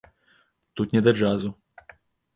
Тут не да джазу.